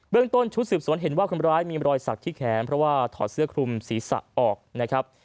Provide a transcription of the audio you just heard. เรื่องต้นชุดสืบสวนเห็นว่าคนร้ายมีรอยสักที่แขนเพราะว่าถอดเสื้อคลุมศีรษะออกนะครับ